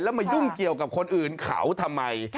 แล้วมายุ่งเกี่ยวกับคนอื่นเขาทำไม